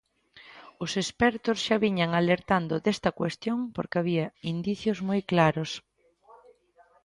Os expertos xa viñan alertando desta cuestión porque había indicios moi claros.